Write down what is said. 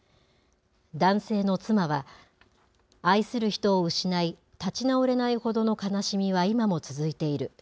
男性の妻は、愛する人を失い、立ち直れないほどの悲しみは今も続いている。